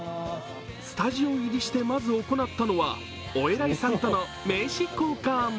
スタジオ入りしてまず行ったのは、お偉いさんとの名刺交換。